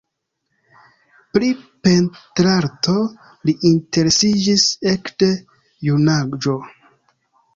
Pri pentrarto li interesiĝis ekde junaĝo.